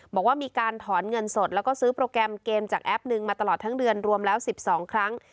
บอกว่ามีการถอนเงินสดแล้วก็ซื้อโปรแกรมเกมจากแอปหนึ่งมาตลอดทั้งเดือนรวมแล้ว๑๒ครั้ง